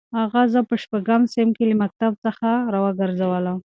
اغا زه په شپږم صنف کې له مکتب څخه راوګرځولم.